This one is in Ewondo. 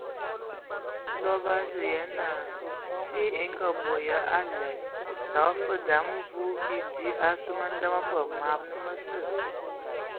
Ndɔ bǝ azu yen naa si e ngaabo ya aled, təgǝ fəg daŋ wum bidi asu mə̀nda mǝ bod maban mǝsə.